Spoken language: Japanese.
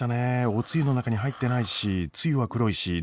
おつゆの中に入ってないしつゆは黒いしでもおいしいし。